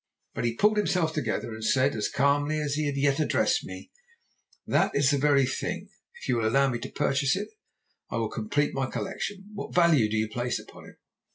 But he pulled himself together and said, as calmly as he had yet addressed me: "'That is the very thing. If you will allow me to purchase it, it will complete my collection. What value do you place upon it?'